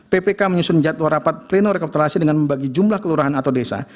ppk menyusun jadwal rapat pleno rekapitulasi dengan membagi jumlah kelurahan atau desa